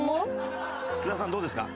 「津田さんどうですか？」。